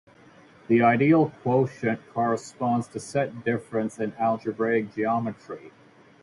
The ideal quotient corresponds to set difference in algebraic geometry.